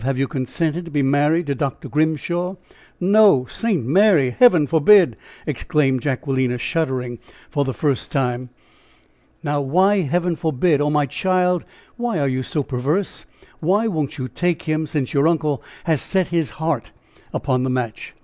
Have you consented to be married to Dr. Grimshaw?" "No! St. Mary! Heaven forbid!" exclaimed Jacquelina, shuddering for the first time. "Now, why 'heaven forbid?' Oh! my child, why are you so perverse? Why won't you take him, since your uncle has set his heart upon the match?"